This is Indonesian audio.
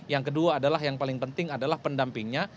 yang kedua adalah yang paling penting adalah pendampingnya